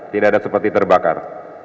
tidak ada seperti terbakar